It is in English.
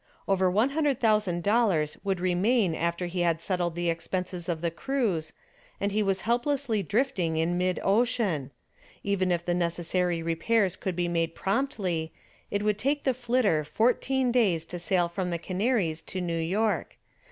Over one hundred thousand dollars would remain after he had settled the expenses of the cruise, and he was helplessly drifting in mid ocean. Even if the necessary repairs could be made promptly, it would take the "Flitter" fourteen days to sail from the Canaries to New York.